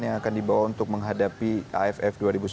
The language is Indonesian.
yang akan dibawa untuk menghadapi aff dua ribu sembilan belas